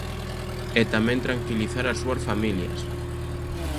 E tamén tranquilizar as súas familias.